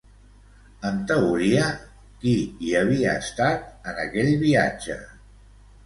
En teoria, qui hi havia estat en aquell viatge?